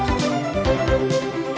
hẹn gặp lại